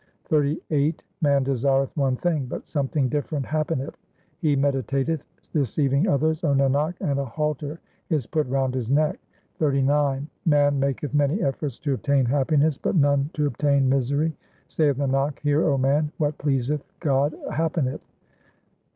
XXXVIII Man desireth one thing, but something different hap peneth ; He meditateth deceiving others, O Nanak, and a halter is put round his neck. XXXIX Man maketh many efforts to obtain happiness, but none to obtain misery; 1 Saith Nanak, hear, O man, what pleaseth God happeneth.